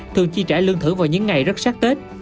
thường chi trả lương thử vào những ngày rất sát tết